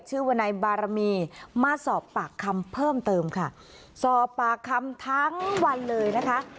วนายบารมีมาสอบปากคำเพิ่มเติมค่ะสอบปากคำทั้งวันเลยนะคะ